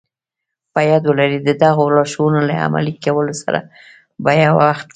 په ياد ولرئ د دغو لارښوونو له عملي کولو سره په يوه وخت کې.